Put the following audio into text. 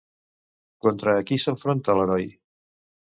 Contra qui s'enfronta l'heroi?